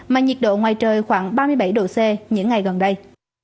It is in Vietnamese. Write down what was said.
mà nhiệt độ ngoài trời khoảng ba mươi bảy độ c những ngày gần đây